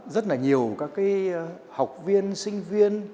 rất là nhiều các cái học viên sinh viên